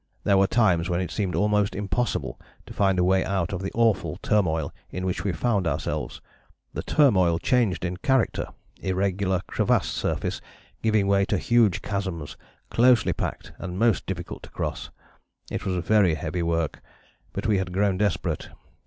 There were times when it seemed almost impossible to find a way out of the awful turmoil in which we found ourselves.... The turmoil changed in character, irregular crevassed surface giving way to huge chasms, closely packed and most difficult to cross. It was very heavy work, but we had grown desperate.